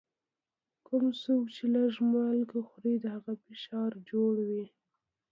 کوم څوک چي لږ مالګه خوري، د هغه فشار جوړ وي.